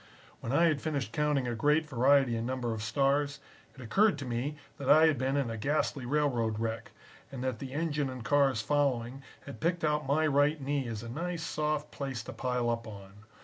When I had finished counting a great variety and number of stars, it occurred to me that I had been in a ghastly railroad wreck, and that the engine and cars following had picked out my right knee as a nice soft place to pile up on.